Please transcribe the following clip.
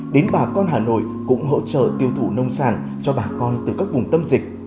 đến bà con hà nội cũng hỗ trợ tiêu thụ nông sản cho bà con từ các vùng tâm dịch